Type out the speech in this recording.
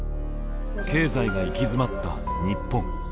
経済が行き詰まった日本。